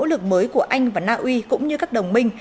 đây là một nỗ lực mới của anh và naui cũng như các đồng minh